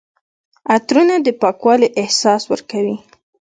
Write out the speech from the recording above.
عطرونه د پاکوالي احساس ورکوي.